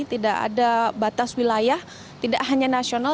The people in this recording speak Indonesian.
tidak ada batas wilayah tidak hanya nasional